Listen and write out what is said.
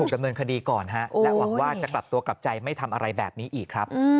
ดำเนินคดีก่อนฮะและหวังว่าจะกลับตัวกลับใจไม่ทำอะไรแบบนี้อีกครับ